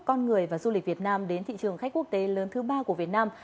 con người và du lịch việt nam đến thị trường khách quốc tế lớn thứ ba của việt nam